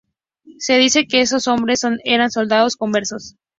Se dice que esos hombres eran soldados conversos.